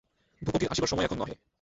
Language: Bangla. ভূপতির আসিবার সময় এখন নহে।